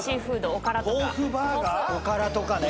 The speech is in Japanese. おからとかね